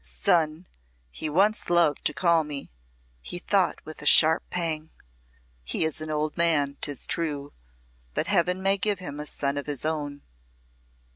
"'Son,' he once loved to call me," he thought, with a sharp pang. "He is an old man, 'tis true, but Heaven may give him a son of his own."